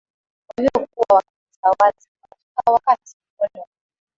waliokuwa wakiitawala Tanganyika wakati wa ukoloni